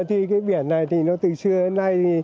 ờ thì cái biển này thì nó từ xưa đến nay